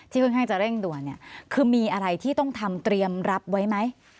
ค่อนข้างจะเร่งด่วนเนี่ยคือมีอะไรที่ต้องทำเตรียมรับไว้ไหม